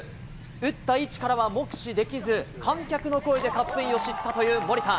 打った位置からは目視できず、観客の声でカップインを知ったという森田。